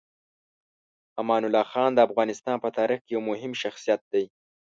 امان الله خان د افغانستان په تاریخ کې یو مهم شخصیت دی.